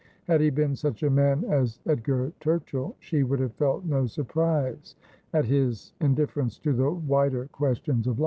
Had he been such a man as Edgar Turchill, she would have felt no surprise at his indif ference to the wider questions of life.